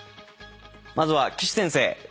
まずは岸先生。